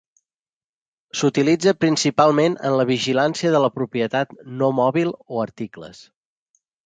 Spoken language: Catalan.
S'utilitza principalment en la vigilància de la propietat no mòbil o articles.